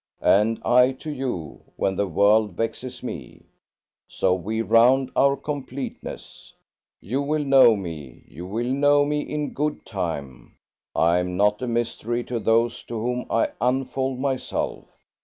and I to you when the world vexes me. So we round our completeness. You will know me; you will know me in good time. I am not a mystery to those to whom I unfold myself.